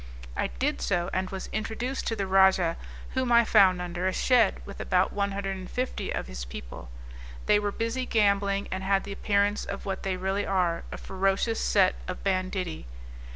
I did so, and was introduced to the rajah whom I found under a shed, with about 150 of his people; they were busy gambling, and had the appearance of what they really are, a ferocious set of banditti.